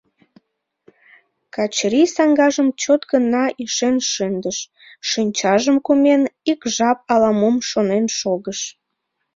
Качырий саҥгажым чот гына ишен шындыш, шинчажым кумен, ик жап ала-мом шонен шогыш.